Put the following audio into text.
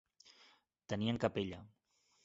Tenien capella.